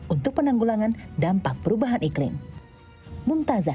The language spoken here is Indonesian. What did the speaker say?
untuk penanggulangan dampak perubahan iklim